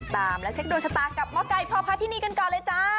ตามแล้วเช็คโดยชะตากับมไก่พพาทินนีกันก่อนเลยจ้า